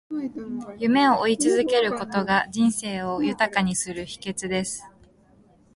夢を追い求めることが、人生を豊かにする秘訣です。